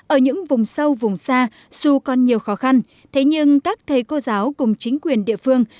ở những vùng sâu vùng xa dù còn nhiều khó khăn thế nhưng các thầy cô giáo cùng chính quyền địa phương